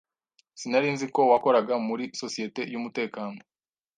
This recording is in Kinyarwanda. Sinari nzi ko wakoraga muri societe yumutekano.